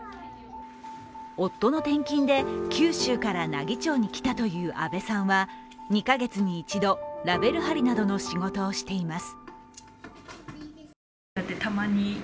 夫の転勤で九州から奈義町に来たという安部さんは、２か月に１度、ラベル貼りなどの仕事をしています。